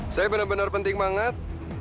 saya benar benar penting banget